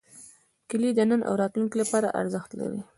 کلي د نن او راتلونکي لپاره ارزښت لري.